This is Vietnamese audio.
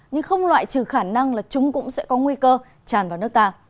nhưng không loại trừ khả năng là chúng cũng sẽ có nguy cơ tràn vào nước ta